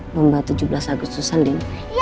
lomba tujuh belas agustusan